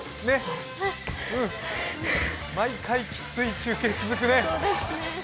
毎回きつい中継続くね。